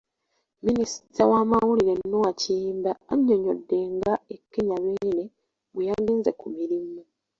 Minisita w’amawulire Noah Kiyimba annyonnyodde nga e Kenya Beene bwe yagenze ku mirimu.